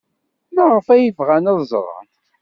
Maɣef ay bɣan ad ẓren?